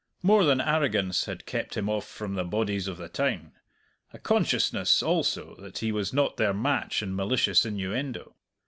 More than arrogance had kept him off from the bodies of the town; a consciousness also that he was not their match in malicious innuendo.